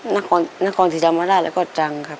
นาครองนาครองศรีจำละแล้วก็จังครับ